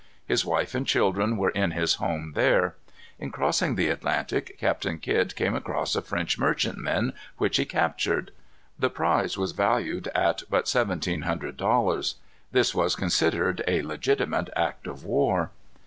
His wife and children were in his home there. In crossing the Atlantic, Captain Kidd came across a French merchantman, which he captured. The prize was valued at but seventeen hundred dollars. This was considered a legitimate act of war.